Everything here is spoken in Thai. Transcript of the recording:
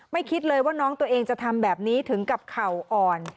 คิดเลยว่าน้องตัวเองจะทำแบบนี้ถึงกับเข่าอ่อน